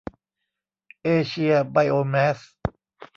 เอเชีย ไบโอแมส